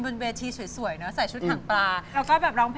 ไม่ได้ยินใช่แมะคะ